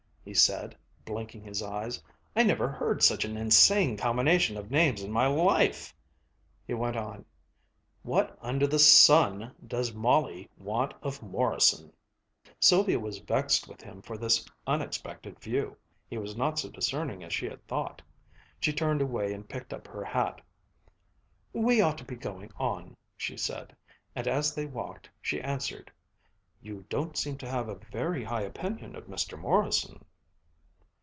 he said, blinking his eyes. "I never heard such an insane combination of names in my life." He went on, "What under the sun does Molly want of Morrison!" Sylvia was vexed with him for this unexpected view. He was not so discerning as she had thought. She turned away and picked up her hat. "We ought to be going on," she said, and as they walked she answered, "You don't seem to have a very high opinion of Mr. Morrison."